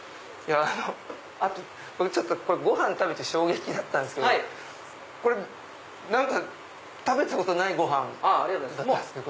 あとご飯食べて衝撃だったんですけどこれ食べたことないご飯だったんですけど。